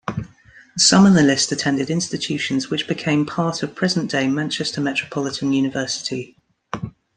Some in the list attended institutions which became part of present-day Manchester Metropolitan University.